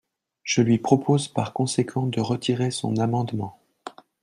Je lui propose par conséquent de retirer son amendement.